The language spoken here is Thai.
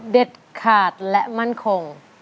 เด็ดขาดและมั่นคง